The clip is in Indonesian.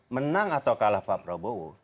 menang atau kalah pak prabowo